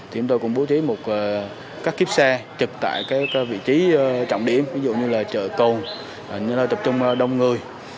thì em tôi cũng bố trí một các kiếp xe trực tại cái vị trí trọng điểm ví dụ như là chợ cầu nơi tập trung đông người